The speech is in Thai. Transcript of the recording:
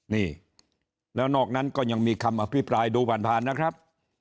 นี่แล้วนอกนั้นก็ยังมีคำอภิปรายดูผ่านผ่านนะครับ